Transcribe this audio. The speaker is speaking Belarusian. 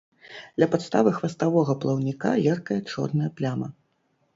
Ля падставы хваставога плаўніка яркая чорная пляма.